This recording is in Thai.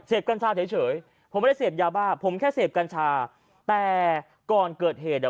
กัญชาเฉยเฉยผมไม่ได้เสพยาบ้าผมแค่เสพกัญชาแต่ก่อนเกิดเหตุอ่ะ